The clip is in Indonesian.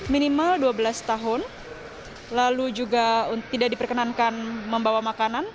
minimal dua belas tahun lalu juga tidak diperkenankan membawa makanan